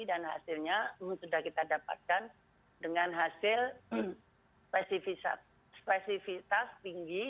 dan hasilnya sudah kita dapatkan dengan hasil spesifitas tinggi